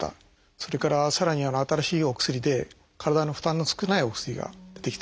それからさらに新しいお薬で体の負担の少ないお薬が出てきた。